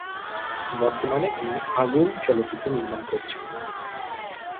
বর্তমানে তিনি "আগুন" চলচ্চিত্র নির্মাণ করছেন।